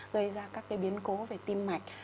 gây ra các biến cố về tim mạch